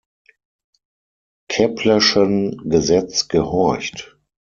Keplerschen Gesetz gehorcht.